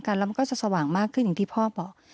แล้วมันก็จะสว่างมากขึ้นอย่างที่พ่อบอก